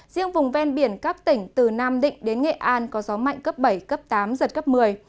riêng vùng ven biển các tỉnh từ nam định đến nghệ an có gió mạnh cấp bảy cấp tám giật cấp một mươi